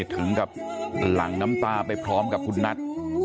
ถึงกับหลังน้ำตาไปพร้อมกับคุณนัท